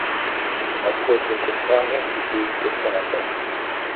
Апхуэдэ гуапагъэр си дежкӀэ лъапӀэщ.